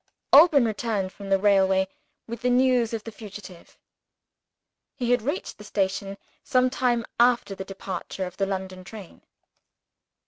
Alban returned from the railway, with news of the fugitive. He had reached the station, some time after the departure of the London train.